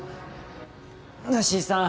ナッシーさん